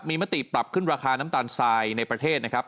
มีมติปรับขึ้นราคาน้ำตาลทรายในประเทศนะครับ